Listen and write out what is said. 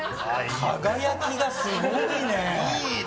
輝きがすごいね！